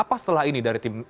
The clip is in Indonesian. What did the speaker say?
apa setelah ini dari tim